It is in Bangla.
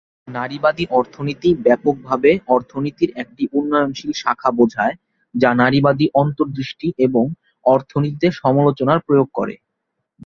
নারীবাদী অর্থনীতি ব্যাপকভাবে অর্থনীতির একটি উন্নয়নশীল শাখা বোঝায় যা নারীবাদী অন্তর্দৃষ্টি এবং অর্থনীতিতে সমালোচনার প্রয়োগ করে।